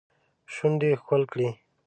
شونډې ښکل کړي